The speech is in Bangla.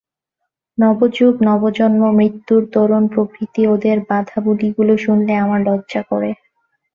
–নবযুগ, নবজন্ম, মৃত্যুর তোরণ প্রভৃতি ওদের বাঁধাবুলিগুলো শুনলে আমার লজ্জা করে।